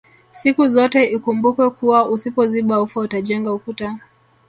Sikuzote ikumbukwe kuwa usipoziba ufa utajenga ukuta